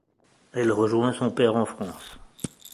Elle rejoint son père en France.